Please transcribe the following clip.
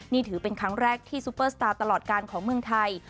นี่ถือเป็นครั้งแรกที่ซุปเปอร์สตาร์ตลอดการของเมืองไทย